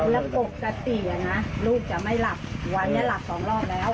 แล้วปกติลูกจะไม่หลับวันนี้หลับสองรอบแล้ว